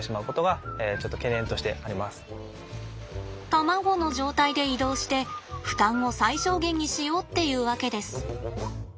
卵の状態で移動して負担を最小限にしようっていうわけです。